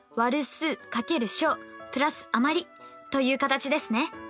という形ですね。